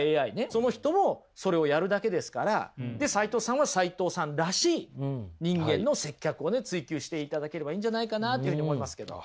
その人もそれをやるだけですからで齋藤さんは齋藤さんらしい人間の接客をね追求していただければいいんじゃないかなというふうに思いますけど。